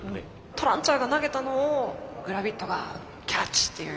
トランチャーが投げたのをグラビットがキャッチっていう。